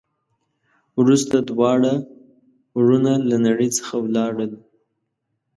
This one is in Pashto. وروسته دواړه ورونه له نړۍ څخه ولاړل.